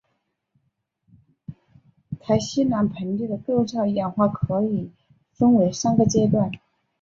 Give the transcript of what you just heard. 台西南盆地的构造演化可以分为三个阶段。